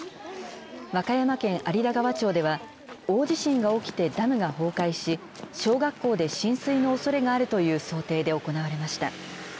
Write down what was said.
和歌山県有田川町では、大地震が起きてダムが崩壊し、小学校で浸水のおそれがあるという想定で行われました。